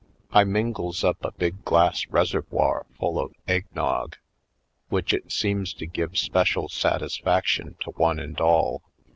I mingles up a big glass reservoir full of egg nog, which it seems to give 'special satisfaction to one and all.